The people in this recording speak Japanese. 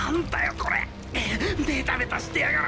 これ⁉ベタベタしてやがる。